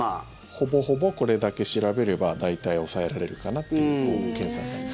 ほぼほぼこれだけ調べれば大体、押さえられるかなっていう検査なんです。